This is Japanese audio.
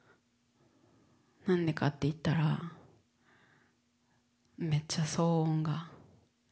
何でかっていったらめっちゃ騒音が激しいから。